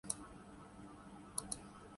دنیا نے ایک مستحکم سیاسی نظام کا راز جان لیا ہے۔